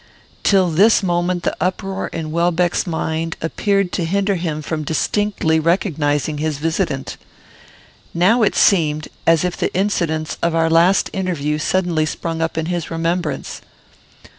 Till this moment the uproar in Welbeck's mind appeared to hinder him from distinctly recognising his visitant. Now it seemed as if the incidents of our last interview suddenly sprung up in his remembrance.